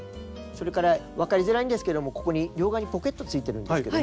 それから分かりづらいんですけども両側にポケットついてるんですけども。